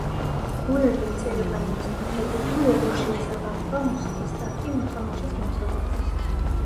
ქულები იწერება იმის მიხედვით, თუ როგორ შეესაბამება მუსიკის ტაქტი მოთამაშის მოძრაობას.